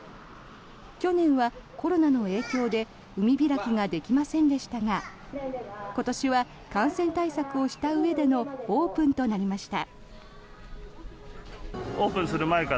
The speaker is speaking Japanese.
去年はコロナの影響で海開きができませんでしたが今年は感染対策をしたうえでのオープンとなりました。